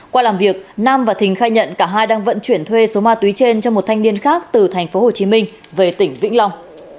qua làm việc nam và thình khai nhận cả hai đang vận chuyển thuê số ma túy trên cho một thanh niên khác từ tp hcm về tỉnh vĩnh long